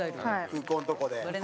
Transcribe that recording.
空港のとこで。